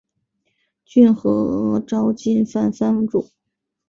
骏河沼津藩藩主。